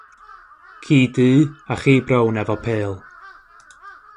Ci du a chi brown efo pêl